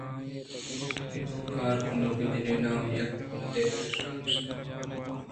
کارکنوکیں جنین ہم یک کنڈے ءَ پریشان نشتگ اِت اَنت